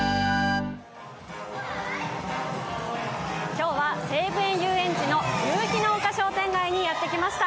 今日は西武園ゆうえんちの夕日の丘商店街にやってきました。